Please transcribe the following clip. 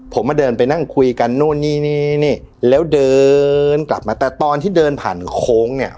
ผมมาเดินไปนั่งคุยกันนู่นนี่นี่แล้วเดินกลับมาแต่ตอนที่เดินผ่านโค้งเนี่ย